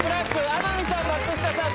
天海さん・松下さん